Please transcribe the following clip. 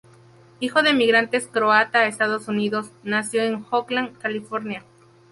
Hijo de emigrantes croata a los Estados Unidos, nació en Oakland, California.